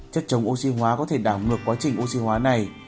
chất chống oxy hóa có thể đảo ngược quá trình oxy hóa này